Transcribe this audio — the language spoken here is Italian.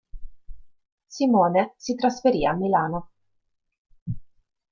Simone si trasferì a Milano.